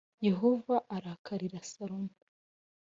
yehova arakarira salomo